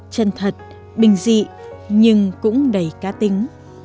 chân thật bình dị nhưng cũng đầy cá tính